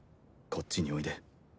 煉獄：こっちにおいで。